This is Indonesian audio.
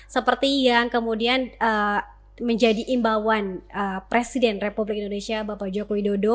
seperti yang kemudian menjadi imbauan presiden republik indonesia bapak joko widodo